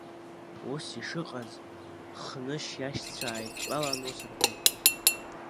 Ус ишыҟаз, Хнышь иашьцәа ааидтәалан ус рҳәеит…